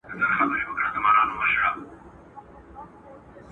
په نازونو په نخرو به ورپسې سو.